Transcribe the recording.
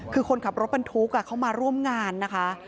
คือคนขับรถบรรทุกเขามาร่วมงานนะคะ